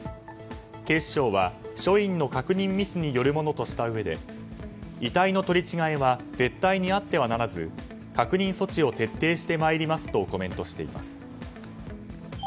警視庁は、署員の確認ミスによるものとしたうえで遺体の取り違えは絶対にあってはならず確認措置を徹底してまいりますとコメントしています。